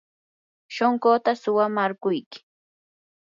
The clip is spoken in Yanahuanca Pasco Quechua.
shunquuta suwamarquyki.